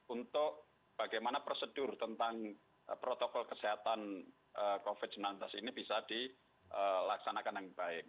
untuk bagaimana prosedur tentang protokol kesehatan covid sembilan belas ini bisa dilaksanakan yang baik